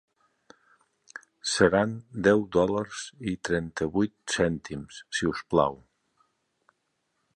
Seran deu dòlars i trenta-vuit cèntims, si us plau.